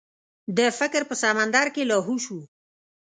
د فکر په سمندر کې لاهو شو.